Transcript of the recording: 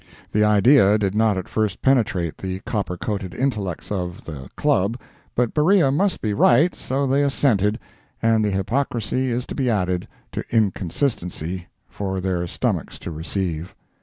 The idea did not at first penetrate the copper coated intellects of the "Club," but Beriah must be right, so they assented, and hypocrisy is to be added to inconsistency, for their stomachs to receive.